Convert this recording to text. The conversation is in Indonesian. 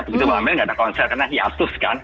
begitu uamil nggak ada konser karena hiatus kan